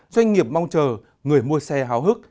doanh nghiệp mong chờ người mua xe háo hức